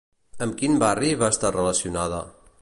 Amb quin barri va estar relacionada?